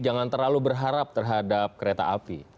jangan terlalu berharap terhadap kereta api